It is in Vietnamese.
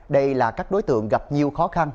đây là các đối tượng gặp nhiều khó khăn